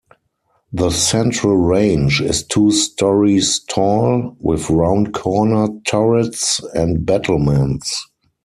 The central range is two storeys tall, with round corner turrets and battlements.